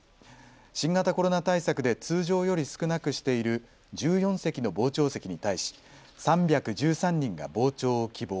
新型コロナ対策で通常より少なくしている１４席の傍聴席に対し３１３人が傍聴を希望。